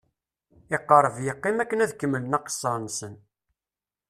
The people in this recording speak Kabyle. Iqerreb yeqqim akken ad kemmlen aqessar-nsen.